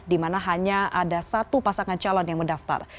di mana hanya ada satu pasangan calon yang mendaftar